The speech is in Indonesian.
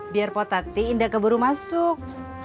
biar potati indah keburu masuk